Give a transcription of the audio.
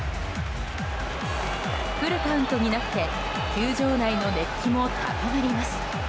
フルカウントになって球場内の熱気も高まります。